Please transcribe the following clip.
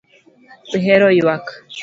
Ihero ywak